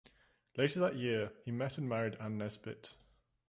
Later that year, he met and married Anne Nesbit.